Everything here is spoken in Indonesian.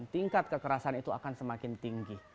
tingkat kekerasan itu akan semakin tinggi